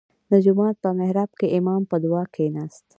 • د جومات په محراب کې امام په دعا کښېناست.